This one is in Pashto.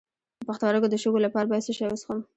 د پښتورګو د شګو لپاره باید څه شی وڅښم؟